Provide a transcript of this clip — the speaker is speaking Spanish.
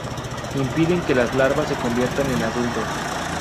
Impiden que las larvas se conviertan en adultos.